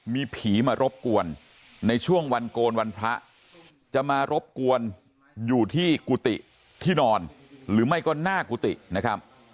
มีผีมารบกวนในช่วงวันโกนวันพระจะมารบกวนอยู่ที่กุฏิที่นอนหรือไม่ก็หน้ากุฏินะครับ